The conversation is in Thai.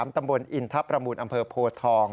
ตำบลอินทรประมูลอำเภอโพทอง